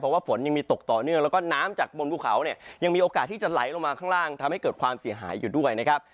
เพราะว่าฝนยังมีตกต่อเนื่องแล้วก็น้ำจากบนภูเขาเนี่ยยังมีโอกาสที่จะไหลลงมาข้างล่างทำให้เกิดความเสียหายอยู่ด้วยนะครับ